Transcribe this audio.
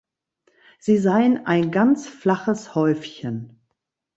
Sie seien „ein ganz flaches Häufchen“.